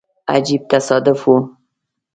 عجیب تصادف وو.